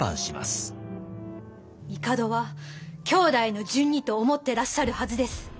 帝は兄弟の順にと思ってらっしゃるはずです。